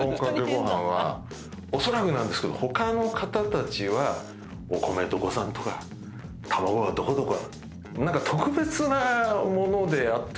おそらくなんですけど他の方たちはお米どこ産とか卵がどこどこ。